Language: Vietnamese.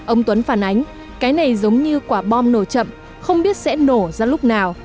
ông tuấn phản ánh cái này giống như quả bom nổ chậm không biết sẽ nổ ra lúc nào